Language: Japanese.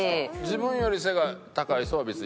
自分より背が高い人は別に？